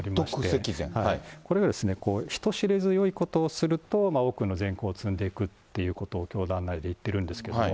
これは、人知れずよいことをすると、多くの善行を積んでいくということを教団内で言っているんですけど。